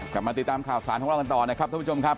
กลับมาติดตามข่าวสารของเรากันต่อนะครับท่านผู้ชมครับ